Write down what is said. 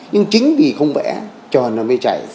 nhưng chính vì không vẽ tròn nó mới chạy